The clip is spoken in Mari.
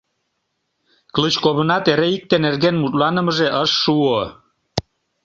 Клычковынат эре икте нерген мутланымыже ыш шуо.